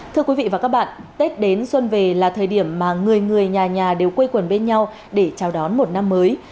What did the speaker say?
thưa quý vị và các bạn tết đến xuân về là thời điểm mà người người nhà nhà đều quê quần bên nhau để chào đón một năm mới